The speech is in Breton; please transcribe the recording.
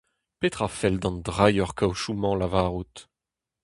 Petra 'fell d’an drailher-kaozioù-mañ lavarout ?